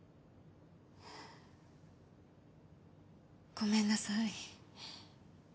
ごめんなさい。